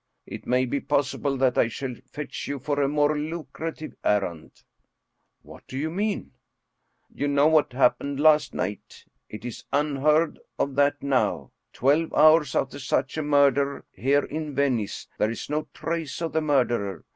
" It may be possible that I shall fetch you for a more lucrative errand." " What do you mean ?"" You know what happened last night? It is unheard of that now, twelve hours after such a murder here in Venice,, there is no trace of the murderer.